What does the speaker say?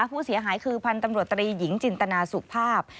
ผู้เสียหายคือพันธ์ตำรวจตรีหญิงจินตนาสุภาพ